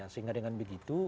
sehingga dengan begitu